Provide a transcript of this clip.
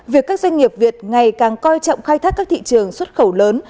việc các doanh nghiệp việt ngày càng coi trọng khai thác các thị trường xuất khẩu lớn